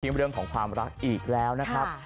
เรื่องของความรักอีกแล้วนะครับ